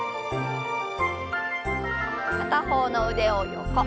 片方の腕を横。